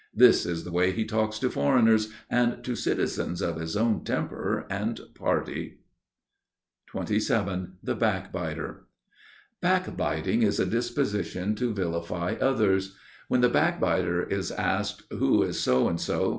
This is the way he talks to foreigners and to citizens of his own temper and party. XXVII The Backbiter (Κακολογία) Backbiting is a disposition to vilify others. When the backbiter is asked "Who is so and so?"